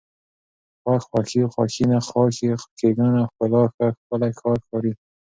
خوښ، خوښي، خوښېنه، خاښۍ، ښېګڼه، ښکلا، ښه، ښکلی، ښار، ښاري